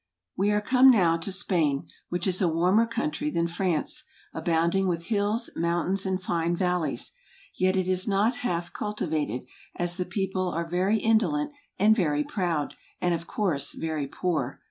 We are come now to Spain, which is a warmer country than France ; abounding with hills, mountains, and fine valleys. Yet it is not half cultivated; as the people are very indolent, and very proud, and of course very poor.